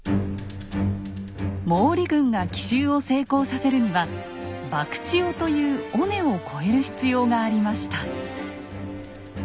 毛利軍が奇襲を成功させるには博打尾という尾根を越える必要がありました。